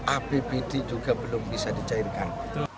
apbd juga belum bisa dicairkan